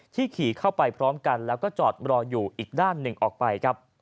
ขี่เข้าไปพร้อมกันแล้วก็จอดรออยู่อีกด้านหนึ่งออกไปครับ